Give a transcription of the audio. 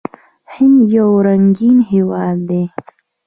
هند یو رنګین هیواد دی.